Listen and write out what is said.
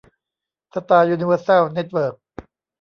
สตาร์ ยูนิเวอร์แซล เน็ตเวิร์ค